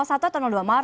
satu atau dua